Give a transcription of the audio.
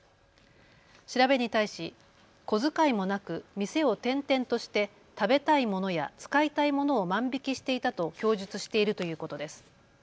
調べに対し小遣いもなく店を転々として食べたいものや使いたいものを万引きしていたと供述しているということです。